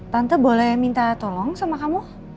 tante boleh minta tolong sama kamu